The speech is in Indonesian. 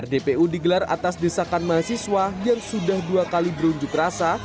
rdpu digelar atas desakan mahasiswa yang sudah dua kali berunjuk rasa